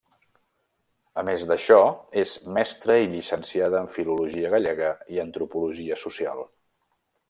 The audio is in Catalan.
A més d'això, és mestra i llicenciada en filologia gallega i antropologia social.